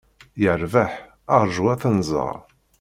Yerbeḥ, rju ad t-nẓer.